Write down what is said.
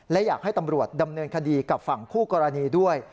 และอยากให้ตำรวจดำเนินคดีกับฝั่งคู่กรณีด้วย